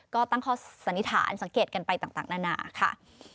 ก็ตั้งข้อสันนิษฐานสังเกตกันไปต่างนานาค่ะ